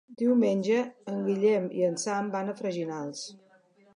Diumenge en Guillem i en Sam van a Freginals.